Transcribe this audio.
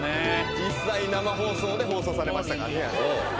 実際生放送で放送されましたからねあれ。